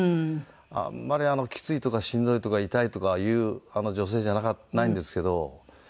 あんまり「きつい」とか「しんどい」とか「痛い」とか言う女性じゃないんですけど。